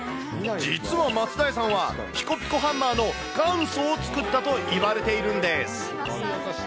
実は増田屋さんは、ピコピコハンマーの元祖を作ったといわれているんです。